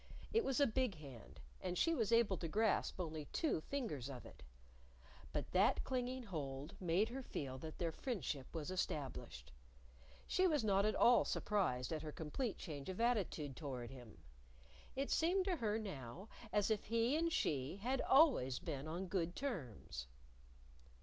It was a big hand, and she was able to grasp only two fingers of it. But that clinging hold made her feel that their friendship was established. She was not at all surprised at her complete change of attitude toward him. It seemed to her now as if he and she had always been on good terms.